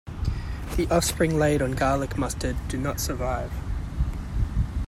The offspring laid on garlic mustard do not survive.